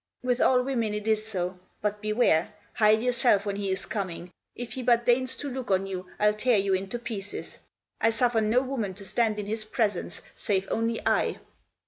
" With all women it is so. But, beware ! Hide yourself when he is coming ; if he but deigns to look on you I'll tear you into pieces. I suffer no woman to stand in his presence, save only I."